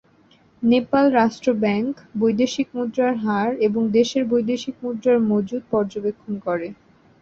নেপাল রাষ্ট্র ব্যাংক বৈদেশিক মুদ্রার হার এবং দেশের বৈদেশিক মুদ্রার মজুদ পর্যবেক্ষণ করে।